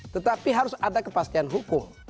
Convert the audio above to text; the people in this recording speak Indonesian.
tetapi harus ada kepastian hukum